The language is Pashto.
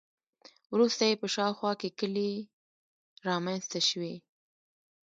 وروسته یې په شاوخوا کې کلي رامنځته شوي.